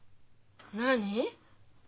何？